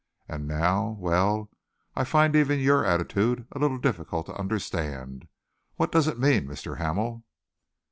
And now well, I find even your attitude a little difficult to understand. What does it mean, Mr. Hamel?"